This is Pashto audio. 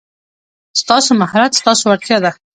ستاسو مهارت ستاسو وړتیا ده.